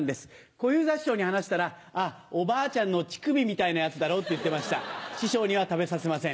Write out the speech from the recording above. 小遊三師匠に話したら「あっおばあちゃんの乳首みたいなやつだろ」って言ってました師匠には食べさせません。